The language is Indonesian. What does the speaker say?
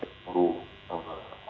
jadi itu harus ada perbedaan